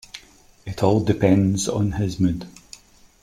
It all depends on his mood.